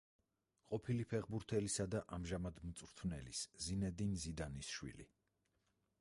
ყოფილი ფეხბურთელისა და ამჟამად მწვრთნელის, ზინედინ ზიდანის შვილი.